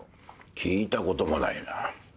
聞いたこともないな。